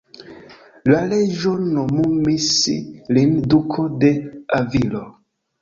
La reĝo nomumis lin Duko de Avilo.